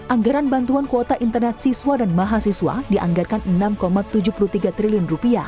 anggaran bantuan kuota internet siswa dan mahasiswa dianggarkan rp enam tujuh puluh tiga triliun